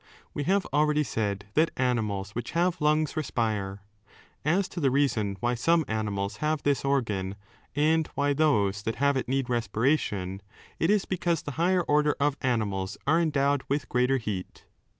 We have already said that animals which have lungs respire. As to the reason why some animals have 2 this organ and why those that have it need respiration, it is because the higher order of animals are endowed with greater heat.